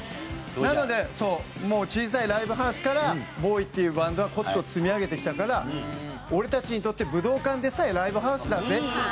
なので小さいライブハウスからＢＯＷＹっていうバンドはコツコツ積み上げてきたから俺たちにとって武道館でさえライブハウスだぜっていう。